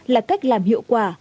là cách làm hiệu quả